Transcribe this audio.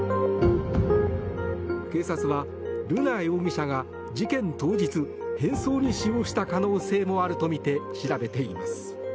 警察は、瑠奈容疑者が事件当日変装に使用した可能性もあるとみて調べています。